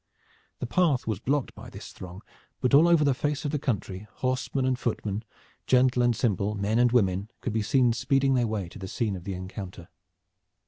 The path was blocked by this throng, but all over the face of the country horsemen and footmen, gentle and simple, men and women, could be seen speeding their way to the scene of the encounter.